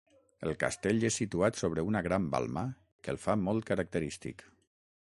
El Castell és situat sobre una gran balma que el fa molt característic.